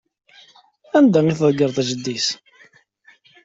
Anda i ḍeggreɣ jeddi-s?